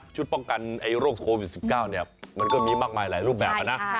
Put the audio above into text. ป้องกันโรคโควิด๑๙มันก็มีมากมายหลายรูปแบบนะ